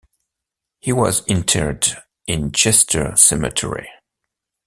He was interred in Chester Cemetery.